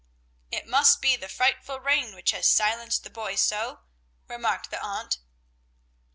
"It must be the frightful rain which has silenced the boy so!" remarked the aunt.